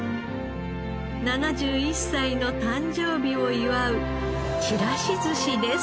７１歳の誕生日を祝うちらし寿司です。